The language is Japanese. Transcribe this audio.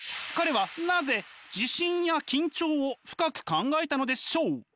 彼はなぜ自信や緊張を深く考えたのでしょう？